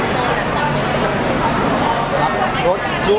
ก็จะมีหลายศูนย์อ้อนวาล